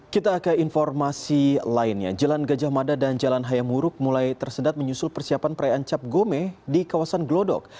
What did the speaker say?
kita ke informasi lainnya jalan gajah mada dan jalan hayamuruk mulai tersedat menyusul persiapan perayaan cap gome di kawasan glodok